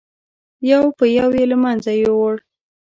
یو په یو یې له منځه یووړل.